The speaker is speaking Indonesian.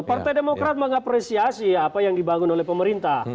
partai demokrat mengapresiasi apa yang dibangun oleh pemerintah